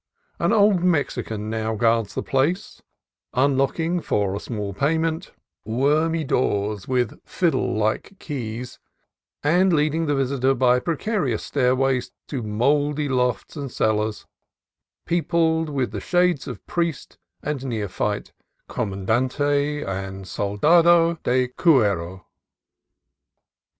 An old Mexican now guards the place, unlocking for a small payment 56 CALIFORNIA COAST TRAILS wormy doors with fiddle like keys, and leading the visitor by precarious stairways to mouldy lofts and cellars, peopled with shades of priest and neophyte, comandante and soldado de cuero.